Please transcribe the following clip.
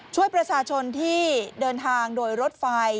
ช่วยประชาชนที่เดินทางโดยรถไฟ